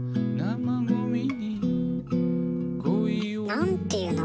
何ていうの？